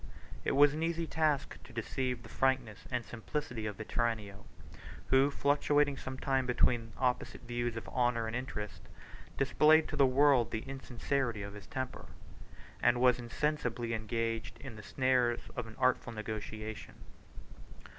It was an easy task to deceive the frankness and simplicity of Vetranio, who, fluctuating some time between the opposite views of honor and interest, displayed to the world the insincerity of his temper, and was insensibly engaged in the snares of an artful negotiation.